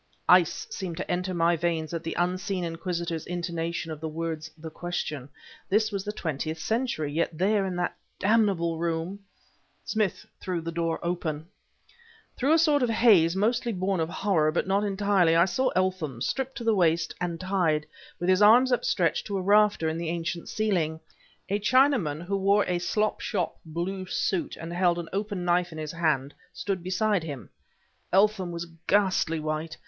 Ice seemed to enter my veins at the unseen inquisitor's intonation of the words "the question." This was the Twentieth Century, yet there, in that damnable room... Smith threw the door open. Through a sort of haze, born mostly of horror, but not entirely, I saw Eltham, stripped to the waist and tied, with his arms upstretched, to a rafter in the ancient ceiling. A Chinaman who wore a slop shop blue suit and who held an open knife in his hand, stood beside him. Eltham was ghastly white.